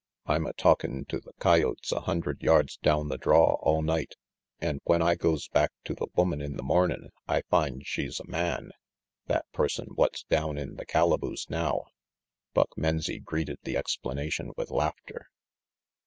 I'm a talkin* to the coyotes a hundred yards down the draw all night, an* when I goes back to the woman in the mornin' I finds she's a man, that person what's down in the calaboose now." Buck Menzie greeted the explanation with laughter.